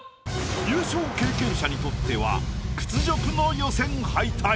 優勝経験者にとっては屈辱の予選敗退。